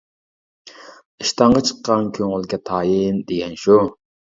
«ئىشتانغا چىققان كۆڭۈلگە تايىن» دېگەن شۇ!